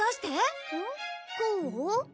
こう？